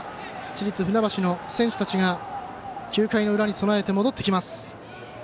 市立船橋の選手たちが９回の裏に備えて戻っていきます。